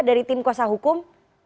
dari tim kuasa hukum